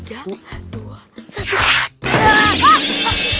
tiga dua satu